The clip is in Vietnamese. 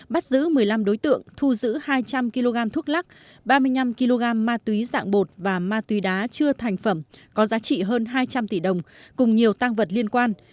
bắt giữ một mươi năm đối tượng thu giữ hai trăm linh kg thuốc lắc ba mươi năm kg ma túy dạng bột và ma túy đá chưa thành phẩm có giá trị hơn hai trăm linh tỷ đồng cùng nhiều tăng vật liên quan